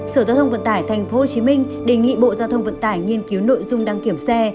sở giao thông vận tải tp hcm đề nghị bộ giao thông vận tải nghiên cứu nội dung đăng kiểm xe